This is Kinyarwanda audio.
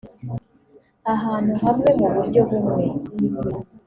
ahantu hamwe mu buryo bumwe